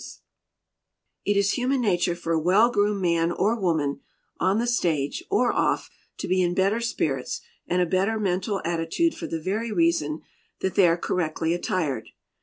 A CORNER OF WARDROBE ROOM It is human nature for a well groomed man or woman, on the stage or off, to be in better spirits and a better mental attitude for the very reason that they are correctly attired.